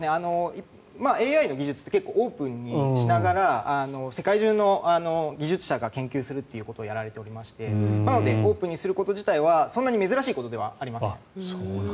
ＡＩの技術って結構オープンにしながら世界中の技術者が研究するっていうことをやられておりましてなのでオープンにすること自体は珍しいことではありません。